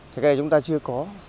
thì cái này chúng ta chưa có